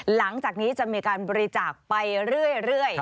หลังจากนี้จะมีการบริจาคไปเรื่อย